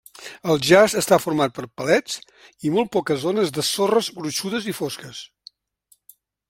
El jaç està format per palets i molt poques zones de sorres gruixudes i fosques.